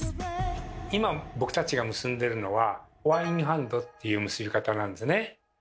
今僕たちが結んでるのは「フォアインハンド」っていう結び方なんですね。